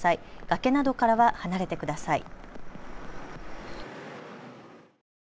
崖などからは離れてください。